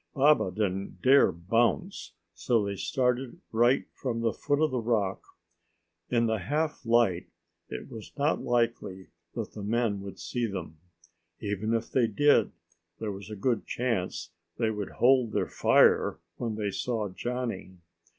Baba didn't dare bounce, so they started right from the foot of the rock. In the half light it was not likely that the men would see them. Even if they did, there was a good chance they would hold their fire when they saw Johnny.